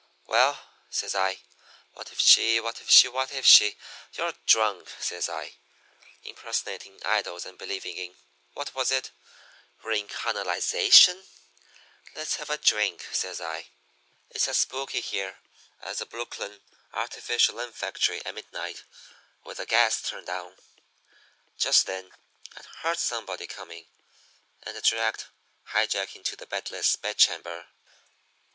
"'Well,' says I, 'what if she, what if she, what if she? You're drunk,' says I. 'Impersonating idols and believing in what was it? recarnalization? Let's have a drink,' says I. 'It's as spooky here as a Brooklyn artificial limb factory at midnight with the gas turned down.' "Just then I heard somebody coming, and I dragged High Jack into the bedless bedchamber.